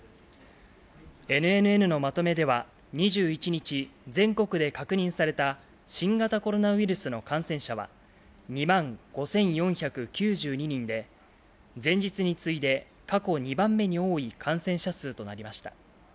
ＮＮＮのまとめでは２１日、全国で確認された新型コロナウイルスの感染者は、２万５４９２人で、前日に次いで過去２番目に多い感染者数となりました。